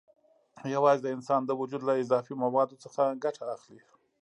یوازې د انسان د وجود له اضافي موادو څخه ګټه اخلي.